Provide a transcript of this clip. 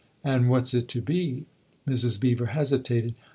" And what's it to be ?" Mrs. Beever hesitated.